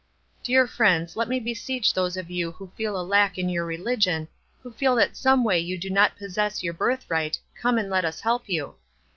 Dear friends, let me beseech those of you who feel a lack in your religion, who feel that someway you do not possess your birthright, come and let us help you.